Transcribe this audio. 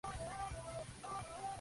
Sólo una hembra del grupo se reproduce.